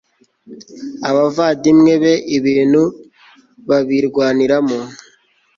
abavandimwe be ibintu babirwaniramo